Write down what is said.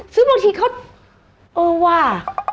ซึ่งบางทีเขาเออว่า